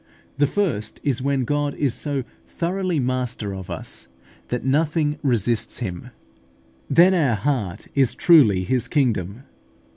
The first is, when God is so thoroughly master of us that nothing resists Him: then our heart is truly His kingdom.